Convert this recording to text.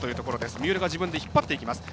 三浦が引っ張っていきます。